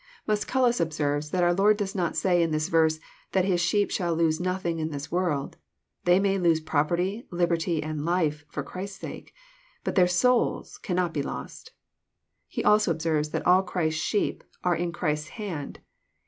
■"'~^• Musculus observes that our Lord does not say in this verse that His sheep shall lose nothing in this world. They may lose property, liberty, atitcTltrfe, for Christ's sake. But theit souls cannot be lost. He&lso observes that^ Christ's sheep are in Christ's haud.